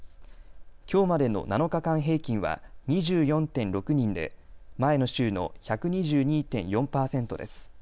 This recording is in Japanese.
きょうまでの７日間平均は２４．６人で前の週の１２２．４％です。